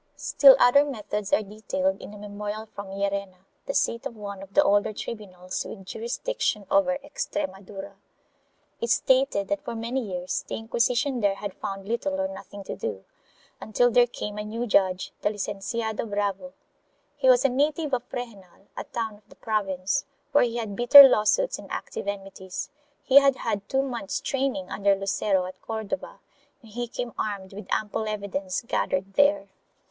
1 Still other methods are detailed in a memorial from Llerena, the seat of one of the older tribunals with jurisdiction over Extremadura. It stated that for many years the Inquisition there had found little or nothing to do, until there came a new judge, the Licenciado Bravo. He was a native of Fregenal, a town of the province, where he had bitter law suits and active enmities; he had had two months' training under Lucero at Cordova and he came armed with ample evidence gathered there.